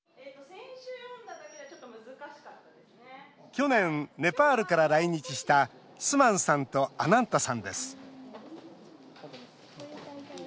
去年、ネパールから来日したスマンさんとアナンタさんです